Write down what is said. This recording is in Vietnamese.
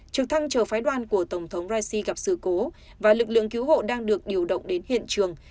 trực thăng chờ phái đoàn của tổng thống raisi gặp sự cố và lực lượng cứu hộ đang được điều động đến hiện trường